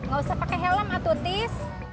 gak usah pakai helm atutis